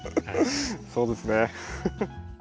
そうですね。